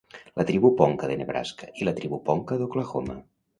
La tribu Ponca de Nebraska i la tribu Ponca d'Oklahoma.